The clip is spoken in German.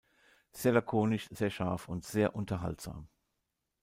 Sehr lakonisch, sehr scharf und sehr unterhaltsam".